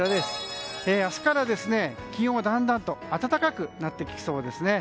明日からだんだんと暖かくなってきそうです。